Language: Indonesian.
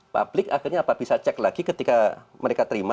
publik akhirnya apa bisa cek lagi ketika mereka terima